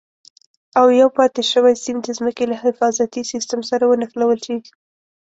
او یو پاتې شوی سیم د ځمکې له حفاظتي سیم سره ونښلول شي.